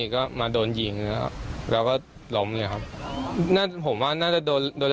อเจมส์ยิงนักแรกนี่ยังไง